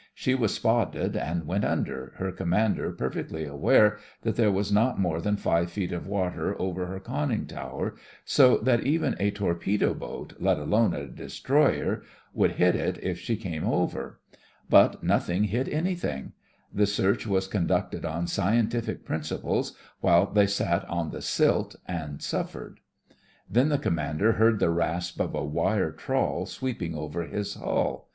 She was spotted, and went under, her commander per fectly aware that there was not more than five feet of water over her conning tower, so that even a torpedo boat, let alone a destroyer, would hit it if she came over. But nothing hit anything. The search was con ducted on scientific principles while they sat on the silt and suffered. 54 THE FRINGES OF THE FLEET Then the commander heard the rasp of a wire trawl sweeping over his hull.